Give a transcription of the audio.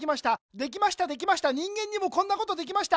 できましたできました人間にもこんなことできました。